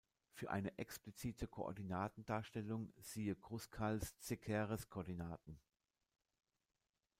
Für eine explizite Koordinatendarstellung siehe Kruskal-Szekeres-Koordinaten.